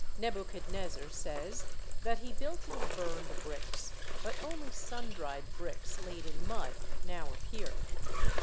Nebuchadnezzar says that he built it of burned bricks, but only sun dried bricks laid in mud now appear.